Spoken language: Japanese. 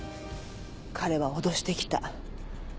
彼は脅してきた。